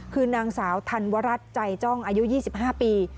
คือนางสาวธันวรัฐใจจ้องอายุ๒๕ปี